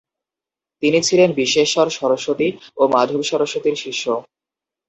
তিনি ছিলেন বিশ্বেশ্বর সরস্বতী ও মাধব সরস্বতীর শিষ্য।